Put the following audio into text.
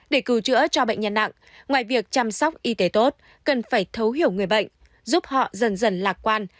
để cứu chữa cho bệnh nhân nặng ngoài việc chăm sóc y tế tốt cần phải thấu hiểu người bệnh giúp họ dần dần lạc quan